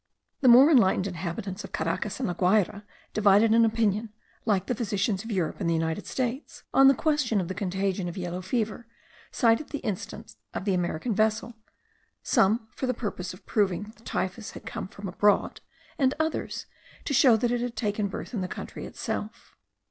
The more enlightened inhabitants of Caracas and La Guayra, divided in opinion, like the physicians of Europe and the United States, on the question of the contagion of yellow fever, cited the instance of the American vessel; some for the purpose of proving that the typhus had come from abroad, and others, to show that it had taken birth in the country itself.